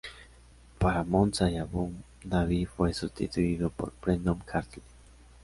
Para Monza y Abu Dhabi fue sustituido por Brendon Hartley.